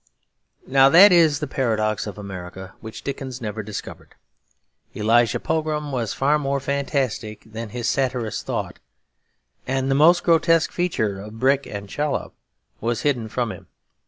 Now that is the paradox of America which Dickens never discovered. Elijah Pogram was far more fantastic than his satirist thought; and the most grotesque feature of Brick and Chollop was hidden from him.